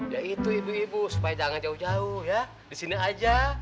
ya itu ibu ibu supaya jangan jauh jauh ya di sini aja